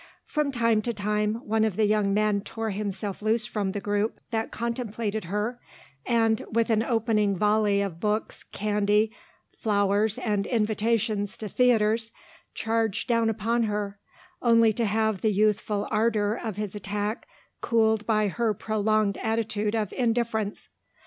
From time to time, one of the young men tore himself loose from the group that contemplated her, and, with an opening volley of books, candy, flowers and invitations to theatres, charged down upon her, only to have the youthful ardour of his attack cooled by her prolonged attitude of indifference.